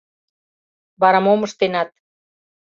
— Вара мом ыштенат?